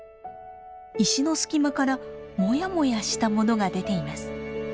石の隙間からモヤモヤしたものが出ています。